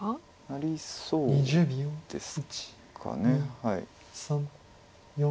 なりそうですかね。